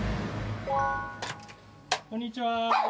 こんにちは。